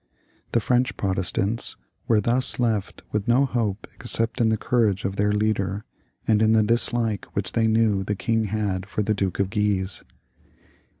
The French Pro testants were thus left with no hope except in the courage of their leader, and in the dislike which they knew the king had for the Duke of Guise.